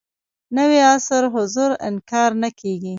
نوي عصر حضور انکار نه کېږي.